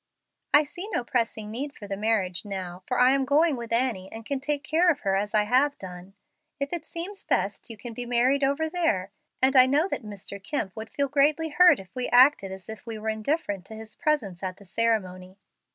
I see no pressing need for the marriage now, for I am going with Annie and can take care of her as I have done. If it seems best, you can be married over there, and I know that Mr. Kemp would feel greatly hurt if we acted as if we were indifferent to his presence at the ceremony."